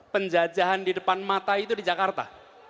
penjajahan di depan mata itu di jakarta